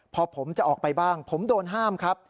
พอผมจะออกไปบ้างผมโดนห้ามครับ